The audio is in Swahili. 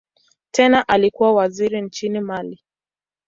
Tena alikuwa waziri nchini Mali.